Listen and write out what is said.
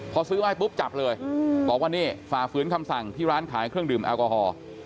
พอซื้อมาให้ปุ๊บจับเลยบอกว่านี่ฝ่าฝืนคำสั่งที่ร้านขายเครื่องดื่มแอลกอฮอล์